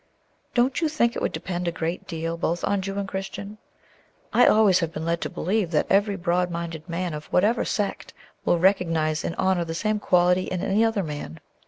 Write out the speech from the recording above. "Don't you think it would depend a great deal both on Jew and Christian? I always have been led to believe that every broad minded man of whatever sect will recognize and honor the same quality in any other man.